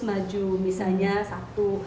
maju misalnya satu